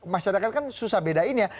masyarakat kan susah bedainya